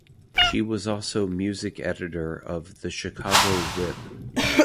She was also music editor of the "Chicago Whip".